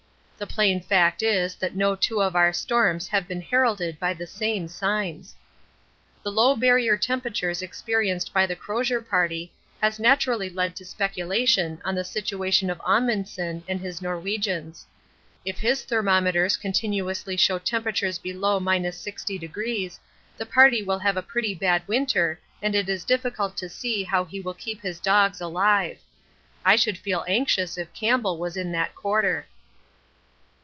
The plain fact is that no two of our storms have been heralded by the same signs. The low Barrier temperatures experienced by the Crozier Party has naturally led to speculation on the situation of Amundsen and his Norwegians. If his thermometers continuously show temperatures below 60°, the party will have a pretty bad winter and it is difficult to see how he will keep his dogs alive. I should feel anxious if Campbell was in that quarter.